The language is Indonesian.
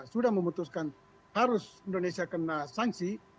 sudah memutuskan harus indonesia kena sanksi